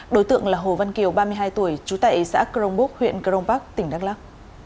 đối tượng là hồ văn kiều ba mươi hai tuổi trú tại xã crong búc huyện crong park tỉnh đắk lắc